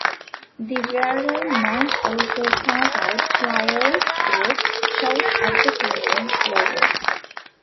The wearer might also pass out flyers or shout advertising slogans.